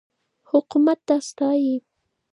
حکومت دا ستایي.